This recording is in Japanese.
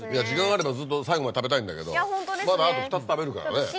時間があればずっと最後まで食べたいんだけどまだあと２つ食べるからね。